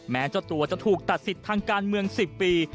แม้เจ้าตัวจะถูกตัดสิทธิ์ทางการเมือง๑๐ปี